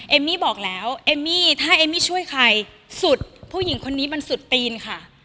เอมมี่บอกแล้วเอมมี่ถ้าเอมมี่ช่วยใครสุดผู้หญิงคนนี้มันสุดตีนค่ะ